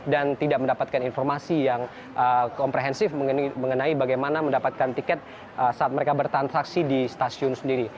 dan tidak mendapatkan informasi yang komprehensif mengenai bagaimana mendapatkan tiket saat mereka bertransaksi di stasiun sendiri